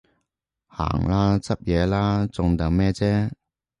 行啦，執嘢喇，仲等咩啫？